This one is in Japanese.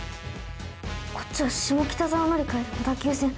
こっちは下北沢乗り換えで小田急線。